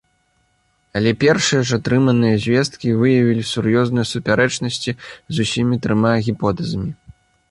Але першыя ж атрыманыя звесткі выявілі сур'ёзныя супярэчнасці з усімі трыма гіпотэзамі.